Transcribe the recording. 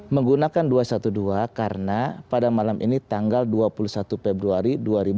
menggunakan dua ratus dua belas karena pada malam ini tanggal dua puluh satu februari dua ribu dua puluh